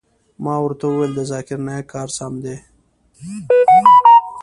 ما ورته وويل د ذاکر نايک کار سم خو دى.